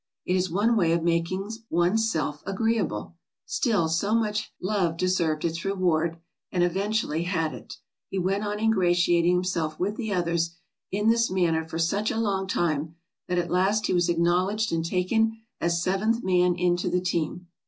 It is one way of making one's self agreeable! Still, so much love deserved its reward, and eventually had it. He went on ingratiating himself with the others in this manner for such a long time, that at last he was acknowledged and taken as seventh man into the team."